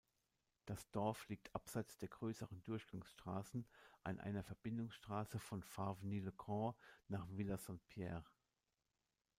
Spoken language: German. Das Dorf liegt abseits der grösseren Durchgangsstrassen, an einer Verbindungsstrasse von Farvagny-le-Grand nach Villaz-Saint-Pierre.